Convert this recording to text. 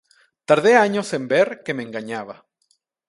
Tardé años en ver que me engañaba.